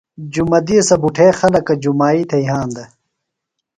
جُمہ دِیسہ بُٹھے خلکہ جُمائی تھےۡ یھاندہ ۔